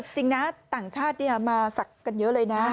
จริงนะต่างชาติมาสักกันเยอะเลยนะ